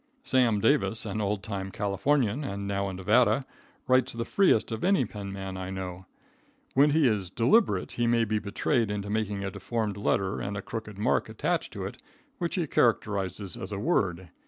Sam Davis, an old time Californian, and now in Nevada, writes the freest of any penman I know. When he is deliberate, he may be betrayed into making a deformed letter and a crooked mark attached to it, which he characterizes as a word.